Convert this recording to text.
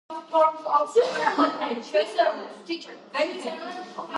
ბიძის გარდაცვალების შემდეგ გახდა ჩერნოგორიის ეპისკოპოსი.